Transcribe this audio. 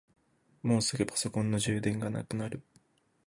もうすぐパソコンの充電がなくなる。